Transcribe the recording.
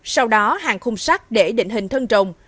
sau đó hàng khung sắt để định hình thân rồng